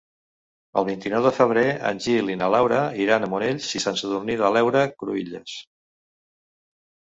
El vint-i-nou de febrer en Gil i na Laura iran a Monells i Sant Sadurní de l'Heura Cruïlles.